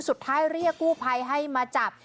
สุดท้ายเรียกกู้ภัยให้มาจับ